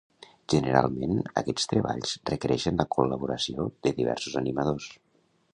Generalment, aquests treballs requereixen la col·laboració de diversos animadors.